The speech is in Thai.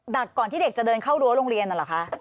ก่อนที่เด็กจะเดินเข้ารั้วโรงเรียนนั่นเหรอคะ